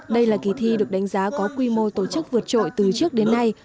đây là kỳ thi được đánh giá có quy mô tổ chức vượt trội từ trước đến nay